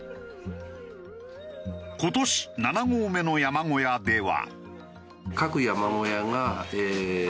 今年７合目の山小屋では。